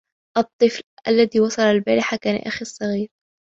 الطفل, الذي وصل البارحة, كان اخي الصغير